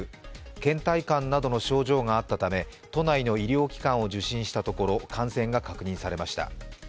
けん怠感などの症状があったため都内の医療機関を受診したところ感染が確認されました。